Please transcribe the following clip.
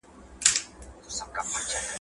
نو پوهېږم چي غویی دی درېدلی,